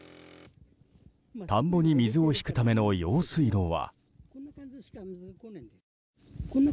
田んぼに水を引くための用水路は。